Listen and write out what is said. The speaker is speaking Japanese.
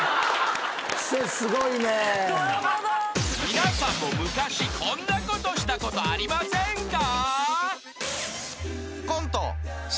・［皆さんも昔こんなことしたことありませんか？］